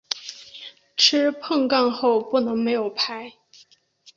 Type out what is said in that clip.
吃碰杠后不能没有牌。